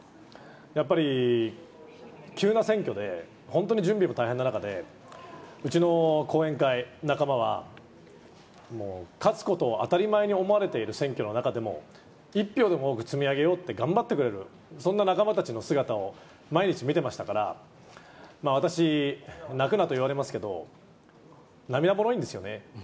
やっぱり急な選挙で、本当に準備も大変な中で、うちの後援会、仲間はもう勝つことを当たり前に思われている選挙の中でも、一票でも多く積み上げようって頑張ってくれる、そんな仲間たちの姿を毎日見てましたから、私、泣くなと言われますけど、涙もろいんですよね。